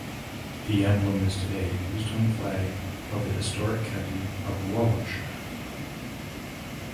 The emblem is today used on the flag of the historic county of Warwickshire.